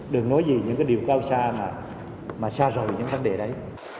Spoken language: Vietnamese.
đừng nói gì những điều cao xa mà xa rồi những vấn đề đấy